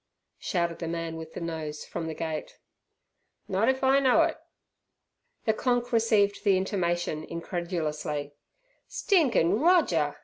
shouted the man with the nose, from the gate "Not if I know it." The "Konk" received the intimation incredulously. "Stinkin' Roger!"